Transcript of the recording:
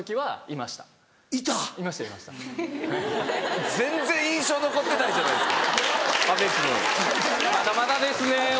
まだまだですね俺！